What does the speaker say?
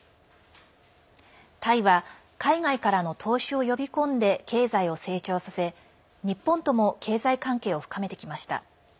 タイは海外からの投資を呼び込んで経済を成長させ日本とも経済関係を深めてきました。